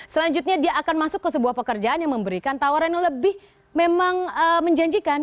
selanjutnya dia akan masuk ke sebuah pekerjaan yang memberikan tawaran yang lebih memang menjanjikan